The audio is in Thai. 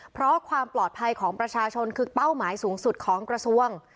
เพราะความปลอดภัยของประชาชนคือเป้าหมายสูงสุดของกระทรวง